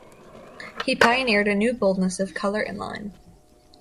He pioneered a new boldness of color and line.